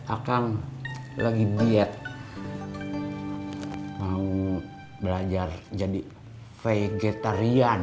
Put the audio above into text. akang lagi niat mau belajar jadi vegetarian